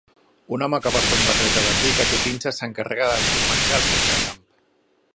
Un home que porta un barret de vaquer i que té pinces s'encarrega del seu menjar al foc de camp